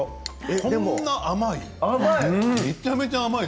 こんなに甘い。